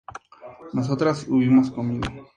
nosotras hubimos comido